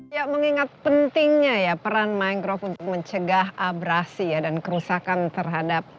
ya mengingat pentingnya ya peran mangrove untuk mencegah abrasi dan kerusakan terhadap